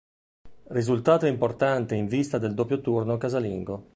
Risultato importante in vista del doppio turno casalingo.